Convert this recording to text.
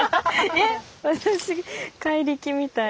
えっ私怪力みたい。